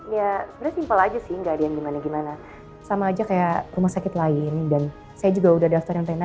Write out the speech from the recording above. ya sebenarnya simpel aja sih enggak ada yang gimana gimana sama aja kayak rumah sakit lain dan saya juga udah daftarin tenda